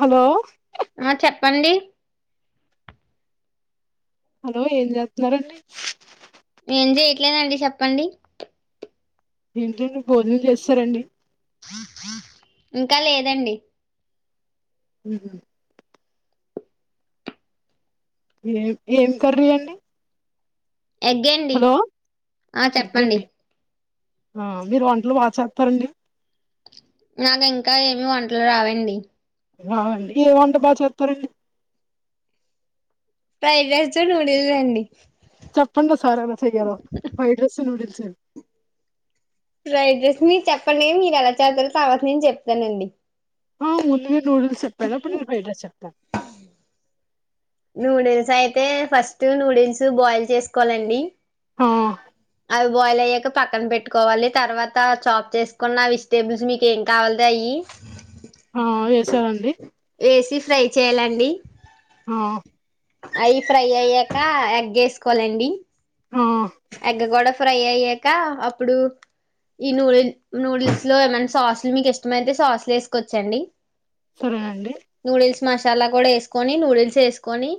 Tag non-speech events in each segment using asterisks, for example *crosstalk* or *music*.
Hello ఆ చెప్పండి hello ఏం జేత్నారండి ఏం జేయట్లేదండి చెప్పండి ఏంటి భోజనం జేస్సరండి ఇంకా లేదండి మ్మ్ హు ఏం ఏం కర్రీ అండి ఎగ్గే అండి హలో ఆ చెప్పండి ఎగ్గండి ఆ మీరు వంటలు బా చేత్తారండి నాకు ఇంకా ఏమి వంటలు రావండి వా అండి ఏ వంట బా చెత్తారండి ఫ్రైడ్ రైస్ నూడిల్స్ అండి చెప్పండి ఓసారి ఎలా చెయ్యాలో ఫ్రైడ్ రైస్ నూడిల్స్ ను ఫ్రైడ్ రైస్ మీరు చెప్పండి మీరు ఎలా చేత్తారో తవాత నేను చెప్తానండి ఆ ముందుగా నూడిల్స్ చెప్పారు అప్పుడు నేను ఫైడెస్ చెప్తాను నూడిల్స్ అయితే ఫస్ట్ నూడిల్స్ బోయిల్ చేస్కోవాలండి ఆ అవి బోయిల్ అయ్యాక పక్కన పెట్టుకోవాలి తర్వాత చాప్ చేసుకున్న వెజిటేబుల్స్ మీకు ఏం కావాల్తే అయ్యి ఆ వేసారండి వేసి ఫ్రై చేయాలండి ఆ అయ్యి ఫ్రై అయ్యాక ఎగ్ ఎస్కోలండి ఆ ఎగ్ గూడా ఫ్రై అయ్యాక అప్పుడు ఈ నూడిల్ నూడిల్స్ లో ఏమైన్నా సాస్లు మీకు ఇష్టమైతే సాస్లు ఎసుకోచ్చండి సరే అండి మసాలా కూడా ఎస్కొని నూడిల్స్ ఎస్కొని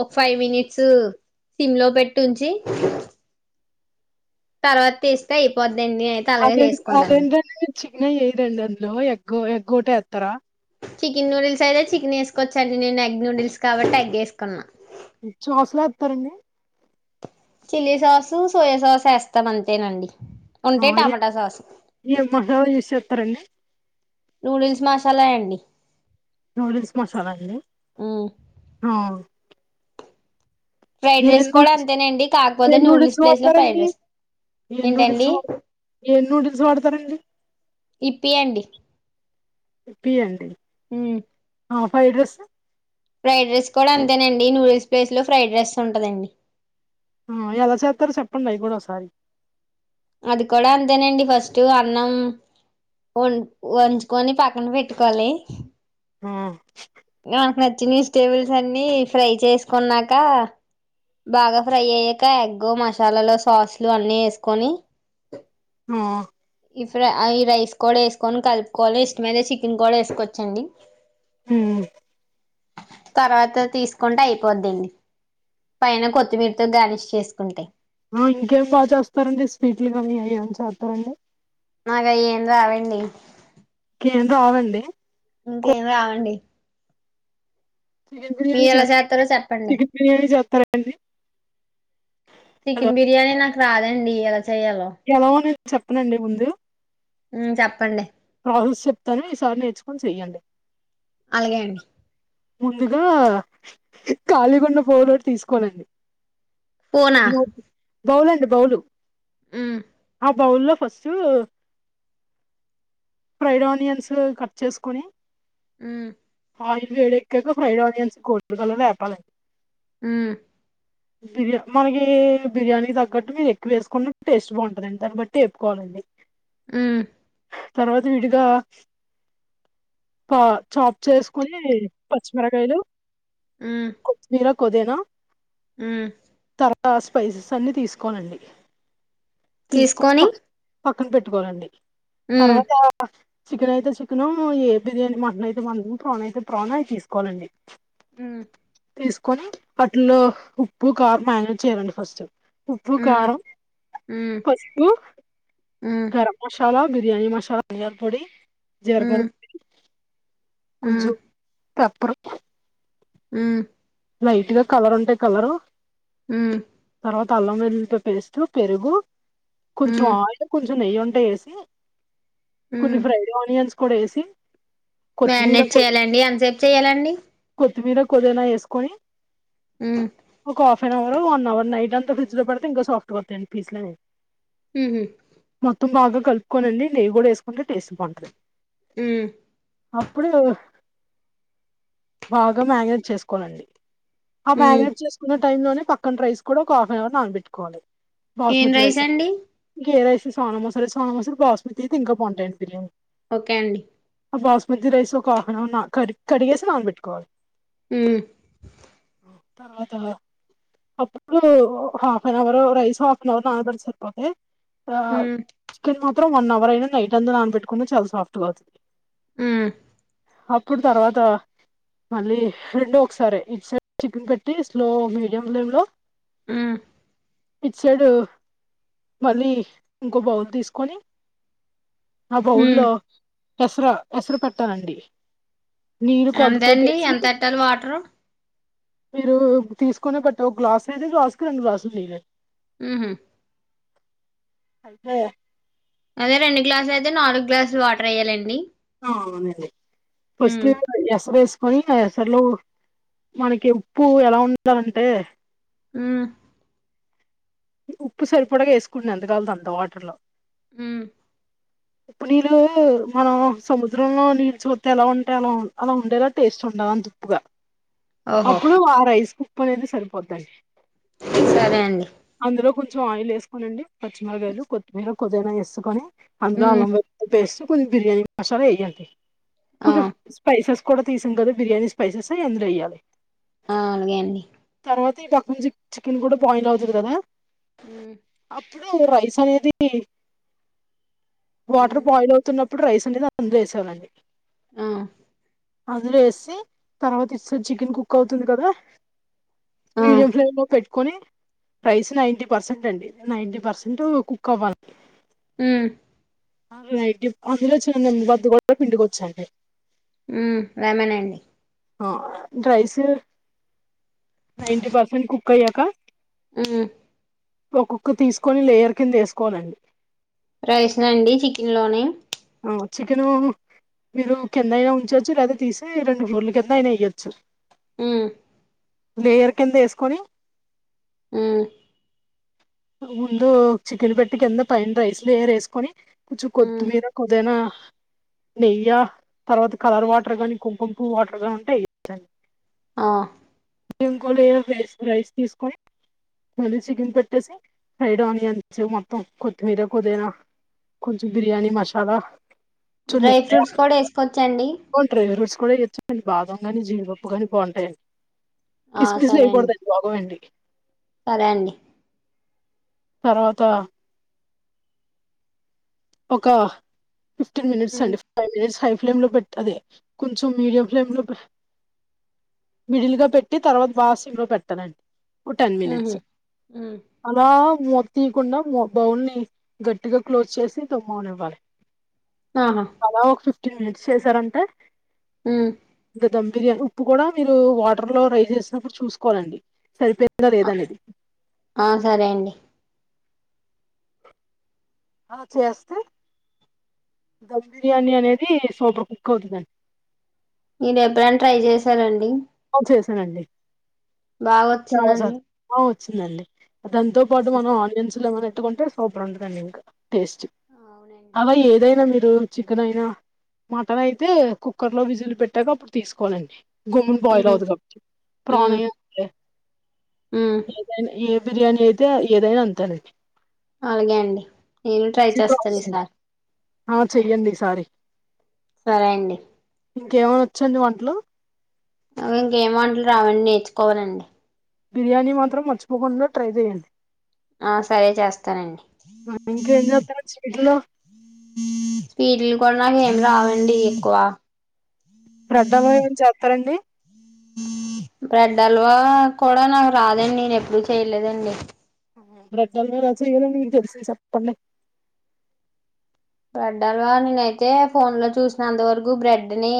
ఒక ఫైవ్ మినిట్స్ సిమ్ లో పెట్టుంచి. తర్వాత తీస్తే అయిపోద్దండి. నేనాయితే అలాగే చేసుకుంటానండి. చిక్న ఎయిరండ్దులో ఎగ్ ఎగ్గోటే ఎత్తర చికెన్ నూడిల్స్ అయితే చికెన్ ఎసుకోవచ్చండి. నేను ఎగ్ నూడిల్స్ కాబట్టి, ఎగ్ ఎసుకున్నా. ఈ చోస్లేటరండి. చిల్లీ సాసు, సోయా సాస్ యస్తం. అంతేనండి ఆ ఉంటే ఏ టమాటా సాసు. ఏం మసాలా యూస్ చేస్తారండి నూడిల్స్ మాస్ సాలెండి నూడిల్స్ మసాలా అండి. అవున్ ఫ్రైడ్ ఏ రైస్ కూడా అంతేనండి ఏ కాకపోతే నూడిల్స్ ప్లేస్ లో ఫ్రైడ్ గుడించిపారంండి రైస్ ఏం నూడిల్స్ ఏంటండి వాడుత ఏం నూడిల్స్ వాడతారండి? యిప్పీ అండి యిప్పి యండి. ఉమ్ ఆ ఫ్రైడ్ రైసు ఫ్రైడ్ రైస్ కూడా అంతేనండి. నూడిల్స్ ప్లేస్ లో ఫ్రైడ్ రైస్ ఉంటదండి. ఆ ఎలా సెత్తరో సేప్పండి. అయి కూడా ఒకసారి. అది కూడా అంతేనండి ఫస్ట్ అన్నం. వండ్ వంచుకొని పక్కన పెట్టుకోలి. ఆ మనకు నచ్చిన ఈస్టేబుల్స్ అన్ని ఫ్రై చేసుకున్నాక. బాగా ఫ్రై అయ్యాక. ఎగ్, మసాలాలు, సాస్లు అన్నీ ఏసుకొని ఆ ఇ ఫ్రై అయి రైస్ కూడా వేసుకొని కలుపుకోలి. ఇష్టమదే చికెన్ గూడా ఏసుకోవచ్చండి. ఉమ్ తర్వాత తీసుకుంటే అయిపోద్దండి. పైన కొత్తిమీర్తో గార్లీష్ చేసుకుంటయ్. ఆ ఇంకేమి బాగా చేస్తారండి. స్పిట్ లు గానీ అయి ఏమన్ చేత్తరండి. నాగయేం రావండి. నేను రావండి కో ఇంకేం రావండి చికెన్ బిర్యానీ మీరు ఎలా చేస్త చేస్తారో చెప్పండి చికెన్ బిర్యానీ చేస్తారా అండి చికెన్ బిర్యానీ నాకు రాదండి ఎలా చెయాలో ఎలాగో నేను చెప్పనండి ముందు ఉ చెప్పండి ఆస్ చెప్తాను ఈసారి నేర్చుకొని చెయ్యండి అలాగే అండి ముందుగా కాళీగొండ పోలోటి తీసుకోలండి పోనా బౌల్ఇస్ బౌలు ఉమ్ ఆ బౌల్ లో ఫస్ట్ ఫ్రైడ్ ఆనియన్స్ కట్ చేసుకుని ఉ ఆ ఇది వేడక్క ఫ్రైడ్ ఆనియన్స్ కోల్ల్ కలర్ ఆపాలండి ఉమ్ బిర్యా మనకి బిర్యానీ తగ్గట్టు మీరు ఎక్కువ వేసుకున్న టేస్ట్ బాగుంటుందండి దాన్ని బట్టి ఏప్పుకోవాలండి అ ఉమ్ తర్వాత విడిద పా చ చేసుకుని పచ్చిమిరకాయలు కొత్తిమీర పుదీనా ఉమ్ స్పైసెస్ అన్ని తీసుకోనండి తీసుకొని పక్కన పెట్టుకోవాలండి హుమ్ తర్వాత చికెన్ అయితే చికెన్ ఏ బిర్యానీ మటన్ అయితే మంటో ప్రాణ అయితే ప్రాణ అవి తీసుకోవాలండి ఉమ్ తీసుకొని అటిల్లో ఉప్పు కార్ మేనేజ్ చేయ్యాలండి ఫస్ట్ ఉప్పు మ్మ్ కారం మ్మ్ పసుపు కారం మసాలా బిర్యానీ మసాలా ధన్య పొడి జీలకర్ర పొడి ఉమ్ తప్పుడు ఉమ్ లైట్ గా కలర్ ఉంటాయి కలరు హమ్ అల్లం ఎల్లిపాయ పేస్ట్ పెరుగు కొంచెం మ్మ్ ఆయిల్ కొంచెం కొంచెం నెయ్యి ఉంటే వేసి కొన్ని మ్మ్ ఫ్రైడ్ ఆనియన్స్ కూడా వేసి కొత్తిమీర మ్యారనేట్ చెయ్యాలండి ఎంతసేపు చెయ్యాలండి మీర కొదనా వేసుకొని మ్మ్ ఒక half an hour one hour night అంత ఫ్రిడ్జ్ లో పడితే ఇంకా సాఫ్ గాస్తాయి పీస్ మ్హూ మొత్తం బాగా కలుపుకోనండి నెయ్యి కూడా వేసుకుంటే టేస్ట్ బాంటది ఉమ్ అప్పుడు బాగా మ్యారినేట్ చేసుకోవాలండి ఆ మ్మ్ మ్యారినేట్ చేసుకున్న టైం లోనే పక్కన రైస్ కూడా ఒక హాఫ్ అన్ అవర్ నానబెట్టుకోవాలి ఏం రైస్ అండి ఇంకే రైస్ సోనమసురి సోనమసురి బాస్మతి అయితె ఇంకా బాగుంటాయండి బిర్యాని ఓకే అండి అ బాస్మతి రైస్ ఒక హాఫ్ అన్ అవర్ న కరి కడిగేసి నానబెట్టుకోవాలి ఉమ్ *unintelligible* అప్పుడు half an hour rice water లో నానబెడితే సరిపోది. ఆ మ్మ్ చికెన్ మాత్రం వన్ అవర్ అయినా. నైట్ అంతా నానబెట్టుకున్న చాలా సాఫ్ట్ గా అవుతుంది. ఉమ్ అప్పుడు తర్వాత మళ్ళీ రెండో ఒకసారే ఇట్ సైడ్ చికెన్ పెట్టి. స్లో, మీడియం ఫ్లేమ్ లో హ్మ్మ్ ఇట్ సైడు మళ్ళీ ఇంకో బౌల్ తీసుకొని ఆ మ్మ్ బౌల్లో ఎస్ర ఎసరు పెట్టాలండీ. నీరు ఎంత అండి కొల్తతోటేసి ఎంత ఎట్టాలి వాటరు మీరు తీసుకునే బట్టు. ఒక గ్లాస్ ఇది, గ్లాస్ కి రెండు గ్లాస్ నీరే. ఉమ్ హు అంటే అదే రెండు గ్లాసులు అయితే, నాలుగు గ్లాసులు వాటర్ వేయ్యాలండి. ఆ అవునండి ఫస్ట్ ఏమైనా ఎస్సరేస్ట్ పోయినా ఏ ఎస్సర్ లో. మనకి ఉప్పు ఎలా ఉండాలంటే. మ్మ్ ఉప్పు సరిపడగా వేసుకుండి. ఎంతగాల్త అంత వాటర్ లో ఉమ్ ఉప్పు నీళ్ళలో మనం సముద్రంలో నీళ్ళు చూతే ఎలా ఉంటే. అలవున్ అలా ఉండేలా టేస్ట్ చుండం తిప్పుగా. ఓహో అప్పుడు ఆ రైస్ కుప్ అనేది సరిపోధండి. సరే అండి అందులో కొంచెం ఆయిల్ వేసుకోనిండి పచ్చిమిరకాయలు కొత్తిమీర కొదిగానా వేసుకొని అందు ఉమ్ అలం పేస్ట్ కొ బిర్యానీ మసాలా వెయ్యంది ఆ కొన్ని స్పైసెస్ కూడా తీసాం కదా బిర్యానీ స్పైసెస్ ఎందులో ఇయ్యాలి ఆ అలాగే అండి తర్వాత ఈ పక్క నుంచి చికెన్ కూడా బాయిల్ అవుతుంది కదా ఆ ఇప్పుడ రైస్ అనేది వాటర్ ఉమ్ బాయిల్ అవుతున్న ఇప్పుడు రైస్ ఉంటే అందు వేవాాలండి ఆ అందులో వేసి తర్వాత ఇస్తే చికెన్ కుక్ అవుతుంది కదా ఆ మీడియం ఫ్లేమ్ లో పెట్టుకొని ప్రైస్ నైన్ంటీ పర్సెంట్ అండి నైంటటీ పర్సెంట్ కుక్ అవ్వాలడి ఆ అందులోడి వద్ద కూడా పిండికి వచ్చాండి ఉ వేమేనాండి రైస్ నైంటీ పర్సెంట్ కుక్ అయ్యాక ఆ ఒక్కొక్క తీసుకొని లేయర్ కింద వేసుకోనండి రైస్ నండి చికెన్ లోని చికెను మీరు కింద అయినా ఉంచొచ్చు లేదా తీసి రెండు బోర్లు కింద అయినా ఇయ్యొచ్చు ఆ లేయర్ కింద వేసుకొని ఆ ముందు చికెన్ పెట్టి కింద పైన్ రైస్ లేర వేసుకొని కొంచెం ఉమ్ కొత్తిమీర కొద్దైనా *inaudible* నెయ్య తర్వాత కలర్ వాటర్ గాని కుంకుంపు వాటర్ గాని ఉంటే వడి ఆ ఇంకో లే రైస్ రైస్ తీసుకొని మళ్ళీ చికెన్ పెట్టేసి ఫ్రైడ్ ఆనియన్స్ మొత్తం కొత్తిమీర కొదీనా కొంచెం బిర్యానీ మసాలా చున్న డ్రై ఫ్రూట్స్ కూడా వేసుకోవచ్చండి కూడా ఇచ్చమండి బాదం కాని జీడిపప్పు కాని బాగుంటాయిడి ఆ కిస్మిస్లు సరే అండి వేయకూడద బాగమండి సరే అండి తర్వాత ఒక ఫిఫ్టీన్ మినిట్స్ ఉమ్ అండి ఫైవ్ మినిట్స్ ఫై్ ఫ్లేమ్ లో పెట్టది కొంచెం మీడియం ఫ్లేమ్ లో మిడిల్ గా పెట్టి తర్వాత వాసి లో పెట్టానండి టెన్ ఉహు మినట్స్ ఉమ్ అలా మ తీయకుండా బౌల్ ని గట్టిగా క్లోజ్ చేసి తుమ్మని ఇవ్వాలి ఆహా అలా ఒక ఫిఫ్టీన్ మినిట్స్ చేసారంటే ఉమ్ ఇంకా దమ్ బిర్యానీ ఉప్పు కూడా మీరు వాటర్ లో రైస్ చేసినప్పుడు చూసుకోవాలండి సరిపోయిందా ఆ లేదనేది ఆ సరే అండి అ చేేస్తే ధమ్ బిర్యానీ అనేది సూపర్ కుక్ అవుతుందండి మీరు ఎప్పురని ట్రై చేసారంండి అవును చేసానండి బాగా చాలా వచ్చిందండి బాగా వచ్చిందండి దాంతో పాటు మనం ఆనియన్స్ లో ఏమనా ఎట్టుకుంటే సూపర్ ఉంటుదండి ఇంకా టేస్ట్ అవునండి అవ ఏదైనా మీ గోంగూర చికెన్ అయినా మటన్ అయితే కుక్కర్లో విజిల్ పెట్టాక తీసుకోవాలండి గోంగ్ బయిల్ ఉమ్ అవ్వదు కాబట్టి ప్రాన్ ఉమ్ అయిన ఉమ్ బిర్యానీ అయితే ఏదైనా అంతేనండి అలాగే అండి నేను ట్రై ఈజీ చేస్తాను ప్రాసెస్ అండి. ఈసారి ఆ చెయ్యడి ఈ సారి సరే అండి ఇంకేమైనా వచ్చండి వంటట్లో ను ఇంకేం వంటలు రావండి నేర్చుకోవాలండి బిర్యానీ మాత్రం మర్చిపోకుండా ట్రై చేయండి ఆ సరే చేస్తానండి ఇంకేం చేస్తుర్రు చీకట్లో స్వీట్లు కూడా నాక ఏం రావండి ఎక్కువ బ్రెడ్ హల్వా ఏమైనా చేస్తారండి? బ్రెడ్ హల్వా కూడా నాకు రాదండి నేను ఎప్పుడు చేయలేదండి బ్రెడ్ హల్వా ఎలా చేయాలో మీకు తెలిస చెప్పండి బ్రెడ్ అలా నేనైతే ఫోన్ లో చూసిన అంతవరకు బ్రెడ్ ని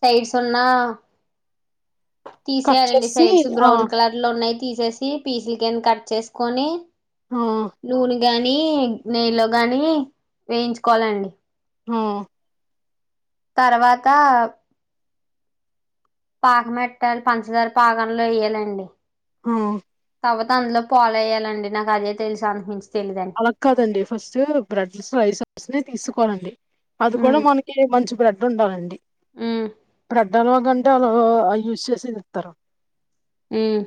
సైడ్ సన్నా కట్ తీసేయాలండి చేసి సైడ్స్ ఆ బ్రౌన్ కలర్ లో ఉన్నాయి తీసేసి పీసులక ఏ కట్ చేసుకొని ఆ నూనెలో గాని నెయ్యిలో గాని వేయించుకోవాలండి హ తర్వాత పాకం పెట్టాలి పంచదార పాకంలో వేయాలండి హ తర్వాత అందులో పాలో అయ్యాలండి నాకు అది తెలుసు అంతకుమించి అలాగ కాదండి ఫస్ట్ బ్రెడ్ స్లైసెస్ ని తీసుకోవాలండి అది కూడా ఉమ్ మనకి మంచి బ్రెడ్ ఉండాలండి ఉమ్ బ్రెడ్ హల్వా కంటే యూస్ చేసేది ఇస్తారు ఉమ్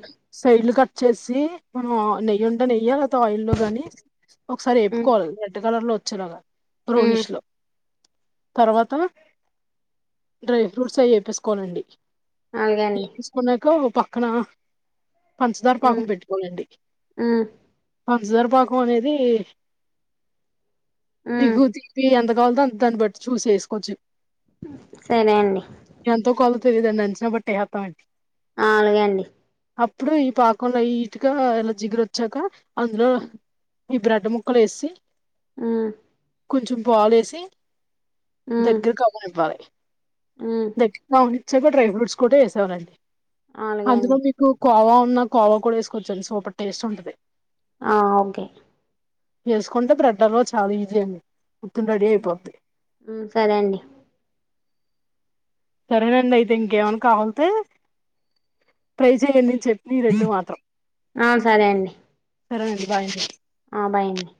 సైడ్లు కట్ చేసి మనం నెయ్యి ఉంట నెయ్యాలి ఆయిల్ గాని ఒకసారి ఉమ్ ఎప్పుకోవాలిగా కలర్ లో వచ్చారుగా ఉమ్ బోనిష్ లో తర్వాత డ్రై ఫ్రూట్స్ అవి వప్పేసుకోనండి అలాగే అండి న్నాకు పక్కనా పంచదార పాకం ఉమ్ పెట్టుకోవాలండి ఉమ్ పంచదార పాకం అనేది ఉమ్ వితి అంత కావాల దా దాన్ని బట్టి చూసి వేసుకోవచ్చు సరే అండి తెలీదండి అంచనా పట్టి వేస్తానండి అలాగే అండి అప్పుడు ఈ పాకం లైట్ గా ఎలా జిగర వచ్చాక అందులో ఈ బ్రెడ్ ముక్కలు వేసి హమ్ కొంచెం పాలేసి ఉమ్ దగ్గరికి అవ్వనివ్వాలి ఉమ్ దక్షిణచ్చగా డ్రై ఫ్రూట్స్ కూడా వేసావారంండి అలాగే అందులో అండి మీకు కోవా ఉన్నా కోవా కూడా వేసుకోవచ్చాను సోపటి టేస్ట్ ఉంటంది ఆ ఓకే చేేసుకుంటే బ్రెడ్డర్ల్లో చాలా ఈజీ అండి మొత్తం రెడీ అయిపోద్ది సరే అండి సరేనండి అయితే ఇంకేమన్నా కావాలతే ట్రై చెయండి చెప్పి ఆ సరే అండి సరేనండి బాయండి ఆ భయండి